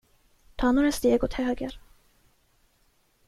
Ta några steg åt höger.